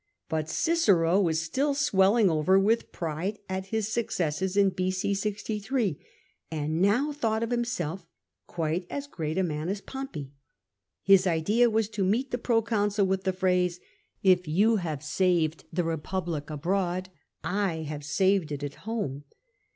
But Cicero was still swelling over with pride at his successes in b.c. 63, and now thought himself quite as great a man as Pompey. His idea was to meet the proconsul with the phrase, ''If you have saved the re public abroad, I have saved it at home.